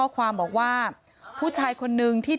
ตังค์อะไรอีก